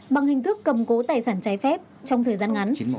bằng hình thức cầm cố tài sản trái phép trong thời gian ngắn